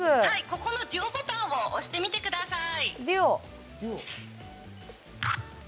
ここのデュオボタンを押してみてください。